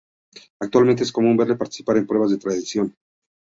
Actualmente es común verle participar en pruebas de triatlón.